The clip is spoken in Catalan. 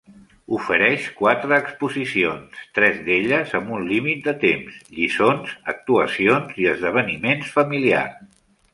Ofereix quatre exposicions, tres d'elles amb un límit de temps, lliçons, actuacions i esdeveniments familiars.